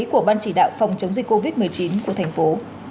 của ban chỉ đạo phòng chống dịch covid một mươi chín của thành phố